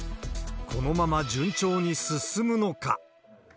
このまま順調に進むのか。